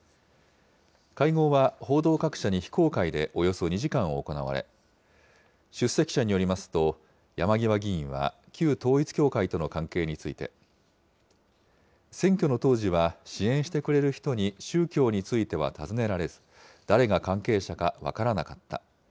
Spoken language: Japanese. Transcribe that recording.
会合は報道各社に非公開でおよそ２時間行われ、出席者によりますと、山際議員は旧統一教会との関係について、選挙の当時は、支援してくれる人に宗教については尋ねられず、誰が関係者か分からなかった。